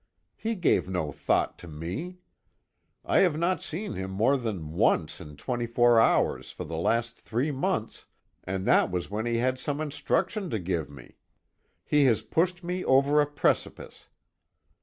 He gave no thought to me. I have not seen him more than once in twenty four hours for the last three months, and that was when he had some instruction to give me. He has pushed me over a precipice.